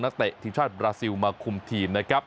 นักเตะทีมชาติบราซิลมาคุมทีม